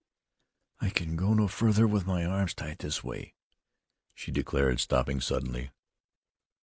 "I can go no further with my arms tied in this way," she declared, stopping suddenly.